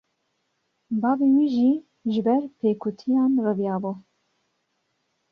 Bavê wî jî, ji ber pêkutiyan reviya bû